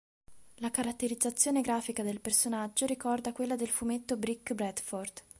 La caratterizzazione grafica del personaggio ricorda quella del fumetto Brick Bradford.